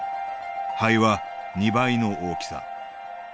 肺は２倍の大きさ。